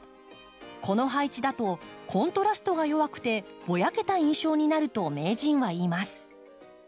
この配置だとコントラストが弱くてぼやけた印象になると名人は言います。